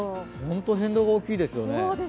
変動が大きいですよね。